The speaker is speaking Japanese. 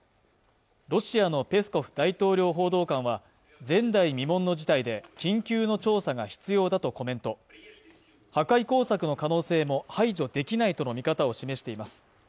ロシアのペスコフ大統領報道官は前代未聞の事態で緊急の調査が必要だとコメント破壊工作の可能性も排除できないとの見方を示しています